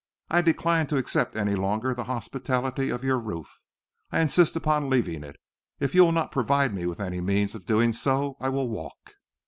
I decline to accept any longer the hospitality of your roof. I insist upon leaving it. If you will not provide me with any means of doing so, I will walk."